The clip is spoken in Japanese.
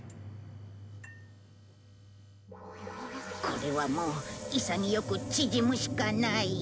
これはもう潔く縮むしかない。